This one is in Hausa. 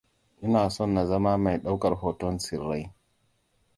Ina son na zama mai ɗaukar hoton tsirrai.